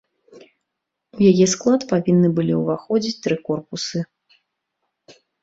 У яе склад павінны былі ўваходзіць тры корпусы.